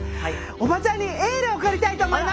おばちゃんにエールを送りたいと思います！